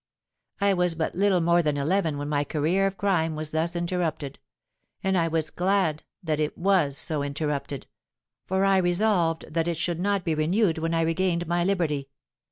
"I was but little more than eleven when my career of crime was thus interrupted; and I was glad that it was so interrupted—for I resolved that it should not be renewed when I regained my liberty.